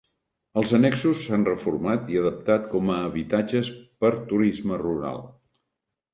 Els annexos s’han reformat i adaptat com a habitatges per turisme rural.